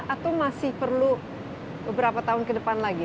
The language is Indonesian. atau masih perlu beberapa tahun ke depan lagi